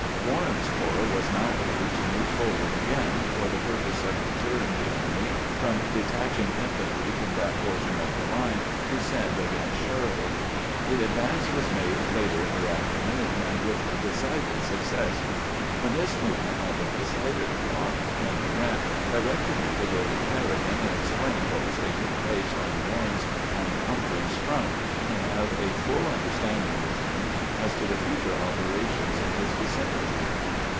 Warren's corps was now ordered to move forward again for the purpose of deterring the enemy from detaching infantry from that portion of the line to send against Sheridan. The advance was made later in the afternoon, and with decided success. When this movement had been decided upon, Gen eral Grant directed me to go to Sheridan and explain what was taking place on Warren's and Humphreys's CAKEYING IKSTEUOTIONS TO SHERIDAN 431 front, and have a full understanding with Mm as to future operations in his vicinity.